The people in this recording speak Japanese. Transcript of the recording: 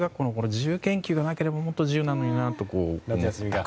自由研究がなければもっと自由なのになと。